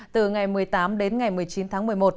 từ ngày một mươi tám đến ngày một mươi chín tháng một mươi một